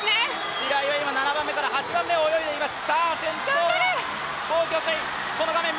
白井は今、７番目から８番目を泳いでいます。